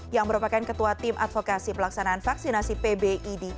yang merupakan ketua tim advokasi pelaksanaan vaksinasi pbid